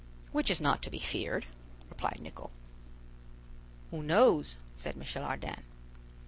"Which is not to be feared," replied Nicholl. "Who knows?" said Michel Ardan.